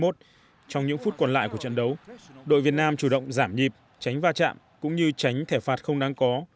trong những phút còn lại của trận đấu đội việt nam chủ động giảm nhịp tránh va chạm cũng như tránh thẻ phạt không đáng có